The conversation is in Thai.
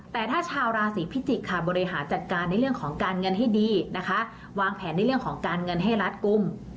แต่ถ้าชาวราศีพิจิกษ์ค่ะบริหารจัดการในเรื่องของการเงินให้ดีนะคะวางแผนในเรื่องของการเงินให้รัดกลุ่ม